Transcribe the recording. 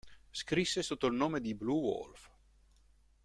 Scrisse sotto il nome di Blue Wolf.